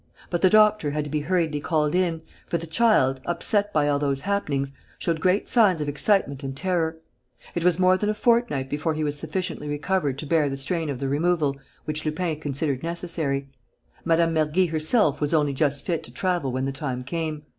But the doctor had to be hurriedly called in, for the child, upset by all those happenings, showed great signs of excitement and terror. It was more than a fortnight before he was sufficiently recovered to bear the strain of the removal which Lupin considered necessary. Mme. Mergy herself was only just fit to travel when the time came.